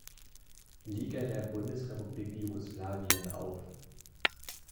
Liga der Bundesrepublik Jugoslawien auf.